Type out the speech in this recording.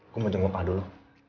gue mau jenguk pak dulu